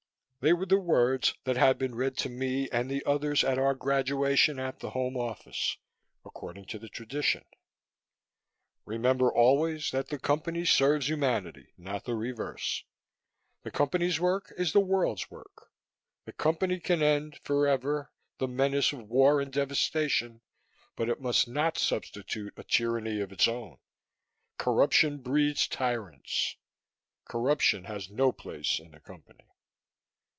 They were the words that had been read to me and the others at our graduation at the Home Office, according to the tradition: _Remember always that the Company serves humanity, not the reverse. The Company's work is the world's work. The Company can end, forever, the menace of war and devastation; but it must not substitute a tyranny of its own. Corruption breeds tyrants. Corruption has no place in the Company.